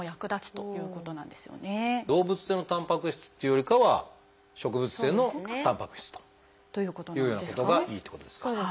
動物性のたんぱく質っていうよりかは植物性のたんぱく質というようなことがいいってことですか。